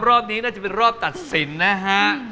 รอบนี้น่าจะเป็นรอบตัดสินนะฮะ